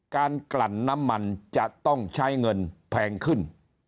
กลั่นน้ำมันจะต้องใช้เงินแพงขึ้น